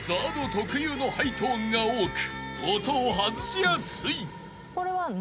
特有のハイトーンが多く音を外しやすい］